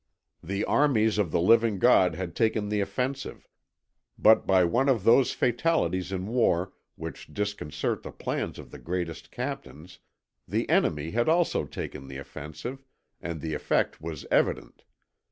The armies of the living God had taken the offensive, but by one of those fatalities in war which disconcert the plans of the greatest captains, the enemy had also taken the offensive, and the effect was evident.